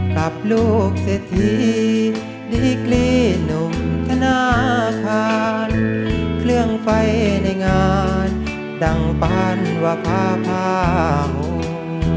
กับลูกเศรษฐีดีกรีหนุ่มธนาคารเครื่องไฟในงานดั่งปานวภาพ